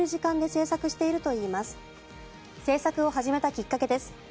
制作を始めたきっかけです。